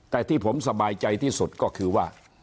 แต่ที่ผมสบายใจที่สุดก็คือว่า